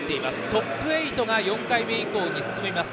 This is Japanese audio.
トップ８が４回目以降に進みます。